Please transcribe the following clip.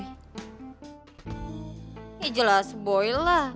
eh jelas boy lah